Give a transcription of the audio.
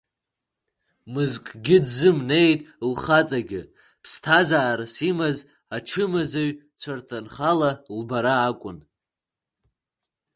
Мызкгьы дзымнеит лхаҵагьы, ԥсҭазаарас имаз ачымазаҩ-цәарҭанхала лбара акәын.